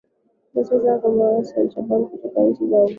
kwa sasa hata kama waasi wa alshaabab wanatolea nchi ya uganda vitisho